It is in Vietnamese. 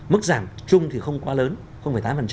mức giảm chung thì không quá lớn tám